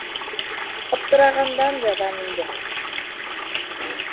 Аптырағандан яҙам инде.